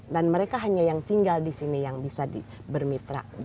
dan mereka hanya yang tinggal di sini yang bisa bermitra